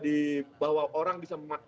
di bawah orang bisa memanfaatkan